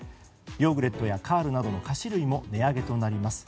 ヨーグレットやカールなどの菓子類も値上げとなります。